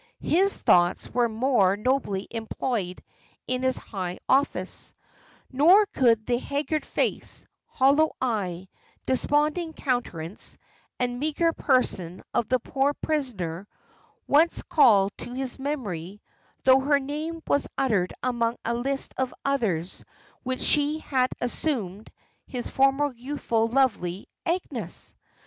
His thoughts were more nobly employed in his high office; nor could the haggard face, hollow eye, desponding countenance, and meagre person of the poor prisoner, once call to his memory, though her name was uttered among a list of others which she had assumed, his former youthful, lovely Agnes!